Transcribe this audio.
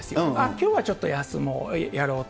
きょうはちょっと休もう、やろうと。